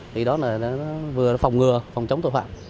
thì đó là nó vừa phòng ngừa phòng chống tội phạm